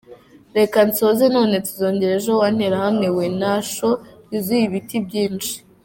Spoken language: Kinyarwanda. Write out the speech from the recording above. Reka nsoze none, tuzongera ejo wa nterahamwe we, Nasho yuzuye ibiti byinshi.